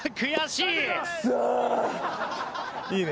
いいね。